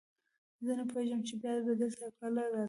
زه نه پوهېږم چې بیا به دلته کله راځم.